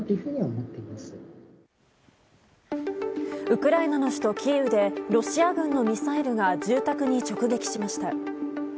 ウクライナの首都キーウでロシア軍のミサイルが住宅に直撃しました。